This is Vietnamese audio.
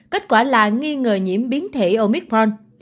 kết quả là nghi ngờ nhiễm biến thể omicron